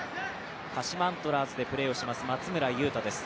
鹿島アントラーズでプレーをします松村優太です。